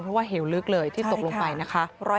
เพราะว่าเหวลึกเลยที่ตกลงไปนะคะ